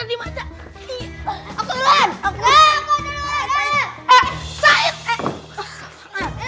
abis ini aku dulu